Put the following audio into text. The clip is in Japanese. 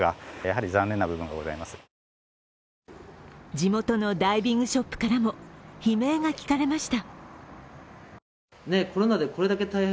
地元のダイビングショップからも悲鳴が聞かれました。